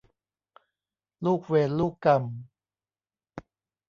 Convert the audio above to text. ลูกเวรลูกกรรม